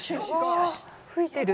吹いてる。